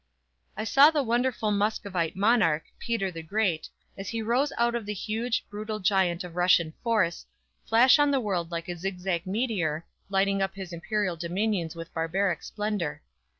_ I saw the wonderful Muscovite monarch, PETER THE GREAT, as he rose out of the huge, brutal giant of Russian force, flash on the world like a zigzag meteor, lighting up his imperial dominions with barbaric splendor.